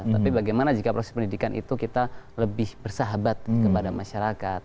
tapi bagaimana jika proses pendidikan itu kita lebih bersahabat kepada masyarakat